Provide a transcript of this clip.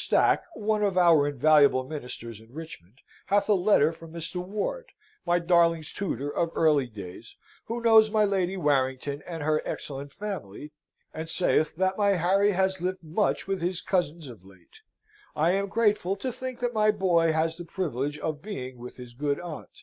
Stack, one of our invaluable ministers in Richmond, hath a letter from Mr. Ward my darlings' tutor of early days who knows my Lady Warrington and her excellent family, and saith that my Harry has lived much with his cousins of late. I am grateful to think that my boy has the privilege of being with his good aunt.